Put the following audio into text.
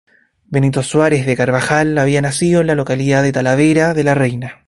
Benito Suárez de Carbajal había nacido en la localidad de Talavera de la Reina.